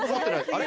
あれ？